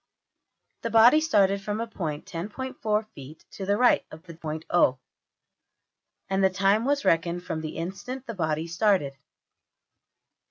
The body started from a point $10.4$~feet to the right of the point~$O$; and the time was reckoned from the instant the body started.